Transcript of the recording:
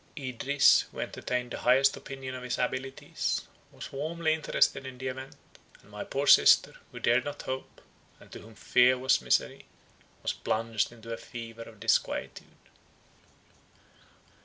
Idris, who entertained the highest opinion of his abilities, was warmly interested in the event: and my poor sister, who dared not hope, and to whom fear was misery, was plunged into a fever of disquietude.